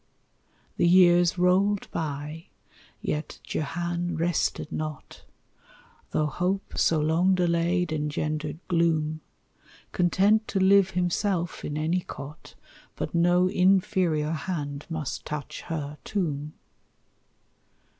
The years rolled by, yet Jehan rested not, Tho' hope, so long delayed, engendered gloom, Content to live himself in any cot; But no inferior hand must touch her tomb.